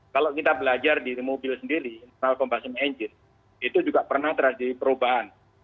kalau kita belajar di mobil sendiri misalnya kompasen mesin itu juga pernah terjadi perubahan